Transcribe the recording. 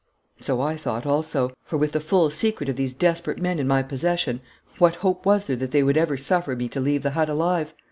So I thought also; for, with the full secret of these desperate men in my possession, what hope was there that they would ever suffer me to leave the hut alive?